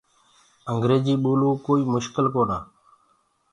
انٚگريجيٚ ٻولوو ڪوئيٚ مُشڪل ڪونآ